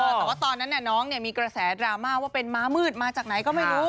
แต่ว่าตอนนั้นน้องมีกระแสดราม่าว่าเป็นม้ามืดมาจากไหนก็ไม่รู้